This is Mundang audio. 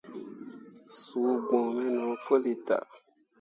Suu gbǝ̃ǝ̃ me no puli tah.